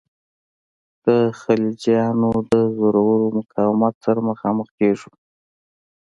د خلجیانو د زورور مقاومت سره مخامخ کیږو.